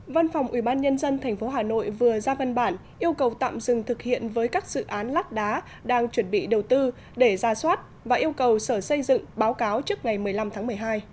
văn phòng ubnd tp hà nội vừa ra văn bản yêu cầu tạm dừng thực hiện với các dự án lát đá đang chuẩn bị đầu tư để ra soát và yêu cầu sở xây dựng báo cáo trước ngày một mươi năm tháng một mươi hai